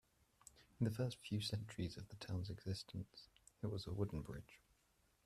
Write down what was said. In the first few centuries of the town's existence, it was a wooden bridge.